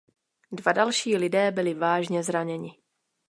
Dva další lidé byli vážně zraněni.